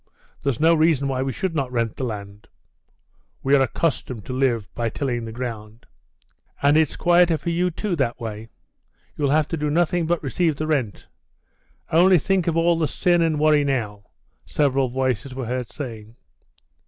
"There's no reason why we should not rent the land." "We are accustomed to live by tilling the ground." "And it's quieter for you, too, that way. You'll have to do nothing but receive the rent. Only think of all the sin and worry now!" several voices were heard saying.